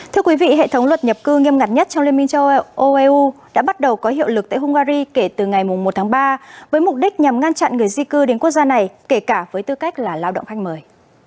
thưa quý vị hệ thống luật nhập cư nghiêm ngặt nhất trong liên minh châu âu đã bắt đầu có hiệu lực tại hungary kể từ ngày một tháng ba với mục đích nhằm ngăn chặn người di cư đến quốc gia này kể cả với tư cách là lao động khách mời